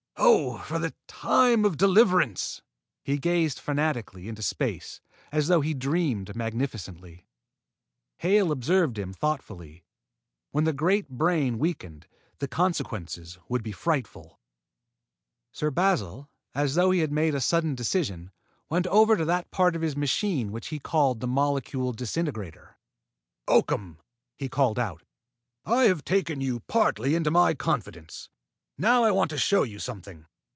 Oh, for the time of deliverance!" He gazed fanatically into space, as though he dreamed magnificently. Hale observed him thoughtfully. When that great brain weakened, the consequences would be frightful. Sir Basil, as though he had made a sudden decision, went over to that part of his machine which he called the molecule disintegrator. "Oakham!" he called out. "I have taken you partly into my confidence. Now I want to show you something.